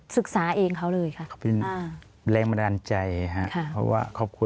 ศึกษาเองเขาเลยค่ะเขาเป็นแรงบันดาลใจค่ะเพราะว่าครอบครัว